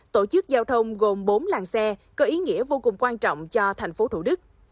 tổ chức giao thông gồm bốn làng xe có ý nghĩa vô cùng quan trọng cho thành phố thủ đức